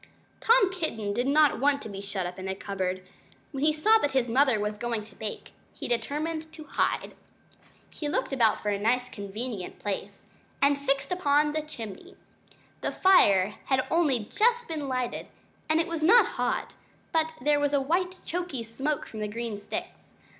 Tom Kitten did not want to be shut up in a cupboard. When he saw that his mother was going to bake, he determined to hide. He looked about for a nice convenient place, and he fixed upon the chimney. The fire had only just been lighted, and it was not hot; but there was a white choky smoke from the green sticks.